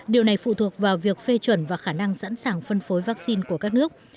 điều này phụ thuộc vào việc phê chuẩn và khả năng sẵn sàng phân phối vaccine của các nước